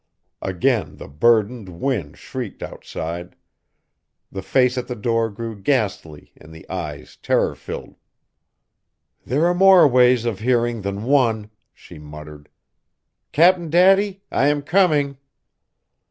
Again the burdened wind shrieked outside. The face at the door grew ghastly and the eyes terror filled. "There are more ways of hearing than one!" she muttered. "Cap'n Daddy, I am coming!"